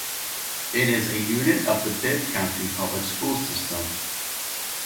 It is a unit of the Bibb County Public School System.